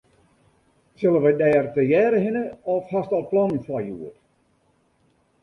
Sille we dêr tegearre hinne of hast al plannen foar hjoed?